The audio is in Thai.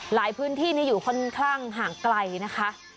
หลายพื้นที่อยู่ค่อนข้างห่างไกลนะคะ